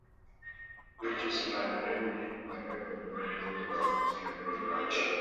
Weche oselandore ni wariwo lwedo golo oko Odhiambo e loch.